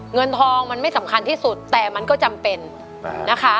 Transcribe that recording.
เงินทองมันไม่สำคัญที่สุดแต่มันก็จำเป็นนะคะ